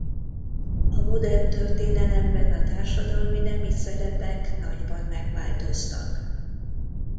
A modern történelemben a társadalmi nemi szerepek nagyban megváltoztak.